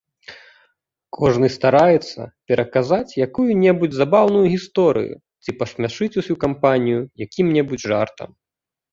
Кожны стараецца пераказаць якую-небудзь забаўную гісторыю ці пасмяшыць усю кампанію якім-небудзь жартам.